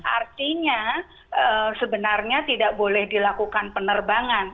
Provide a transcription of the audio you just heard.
artinya sebenarnya tidak boleh dilakukan penerbangan